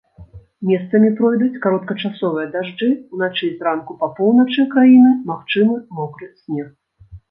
Месцамі пройдуць кароткачасовыя дажджы, уначы і зранку па поўначы краіны магчымы мокры снег.